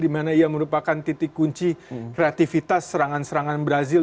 dimana ia merupakan titik kunci kreativitas serangan serangan brazil